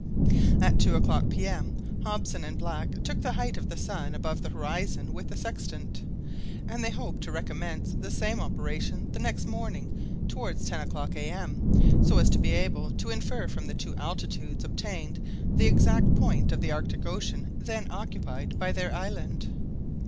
At two o'clock P.M. Hobson and Black took the height of the sun above the horizon with the sextant, and they hoped to recommence the same operation the next morning towards ten o'clock A.M., so as to be able to infer from the two altitudes obtained the exact point of the Arctic Ocean then occupied by their island.